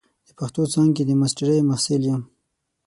د پښتو څانګې د ماسترۍ محصل یم.